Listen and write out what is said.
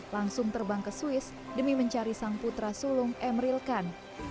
langsung terbang ke swiss demi mencari sang putra sulung emeril khan